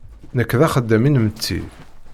Nekk d axeddam inmetti.